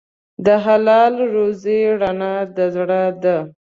د حلال روزي رڼا د زړه ده.